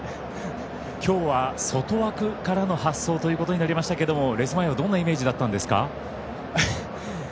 今日は外枠からの発走ということになりましたけどレース前はどんなイメージだったんですか？